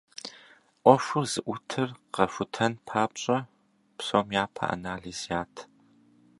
Ӏуэхур зыӏутыр къахутэн папщӏэ, псом япэ анализ ят.